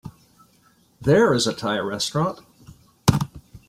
There is a Thai restaurant.